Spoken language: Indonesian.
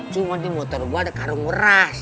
cuma di motor gue ada karung beras